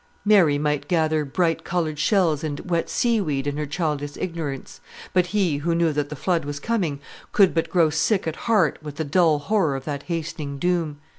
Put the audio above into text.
Mary might gather bright coloured shells and wet seaweed in her childish ignorance; but he, who knew that the flood was coming, could but grow sick at heart with the dull horror of that hastening doom.